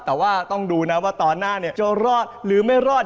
แต่ว่าต้องดูนะว่าตอนหน้าเนี่ยจะรอดหรือไม่รอด